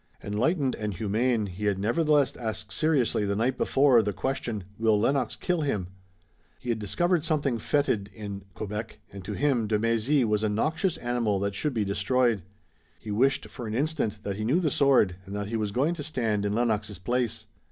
Enlightened and humane, he had nevertheless asked seriously the night before the question: "Will Lennox kill him?" He had discovered something fetid in Quebec and to him de Mézy was a noxious animal that should be destroyed. He wished, for an instant, that he knew the sword and that he was going to stand in Lennox's place.